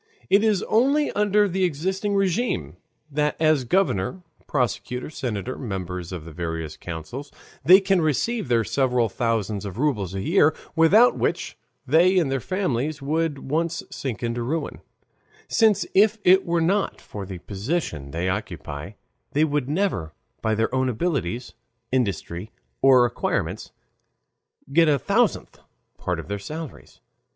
It is only under the existing RÉGIME that as governor, prosecutor, senator, members of the various councils, they can receive their several thousands of rubles a year, without which they and their families would at once sink into ruin, since if it were not for the position they occupy they would never by their own abilities, industry, or acquirements get a thousandth part of their salaries.